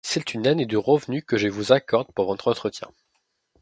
C’est une année du revenu que je vous accorde pour votre entretien.